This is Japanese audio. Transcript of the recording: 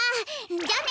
じゃあね。